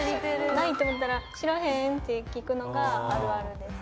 ないと思ったら知らへん？って聞くのがあるあるです。